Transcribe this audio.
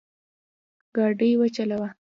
ګاډی وچلوه